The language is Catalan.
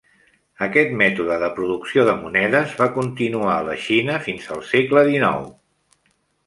Aquest mètode de producció de monedes va continuar a la Xina fins el segle XIX.